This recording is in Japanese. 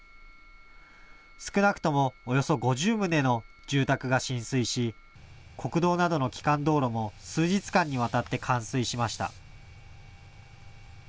少なくともおよそ５０棟の住宅が浸水し、国道などの基幹道路も数日間にわたって冠水しました。